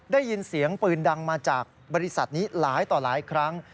ได้ยินเสียงปืนดังมาจากบริษัทนี้หลายต่อหลายครั้ง